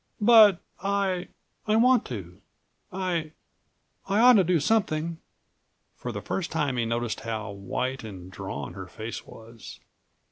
"But I—I want to. I—I ought to do something." For the first time he noticed how white and drawn her face was.